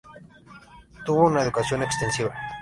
Tuvo una educación extensiva.